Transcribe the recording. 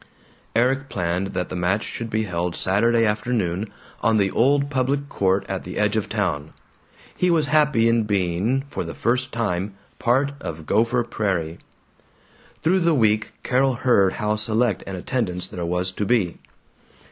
Erik planned that the match should be held Saturday afternoon, on the old public court at the edge of town. He was happy in being, for the first time, part of Gopher Prairie. Through the week Carol heard how select an attendance there was to be.